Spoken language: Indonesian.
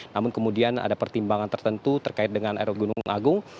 namun kemudian ada pertimbangan tertentu terkait dengan erup gunung agung